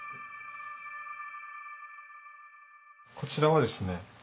こちらはですね